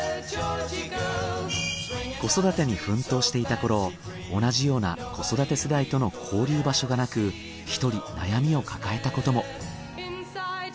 子育てに奮闘していた頃同じような子育て世代との交流場所がなく１人悩みを抱えたことも。